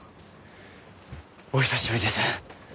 お久しぶりです